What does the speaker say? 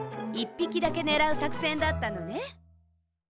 ぴきだけねらうさくせんだったのね。